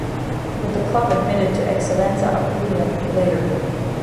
But the club admitted to Eccellenza Apulia later.